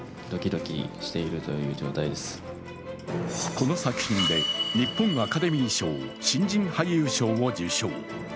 この作品で日本アカデミー賞新人俳優賞を受賞。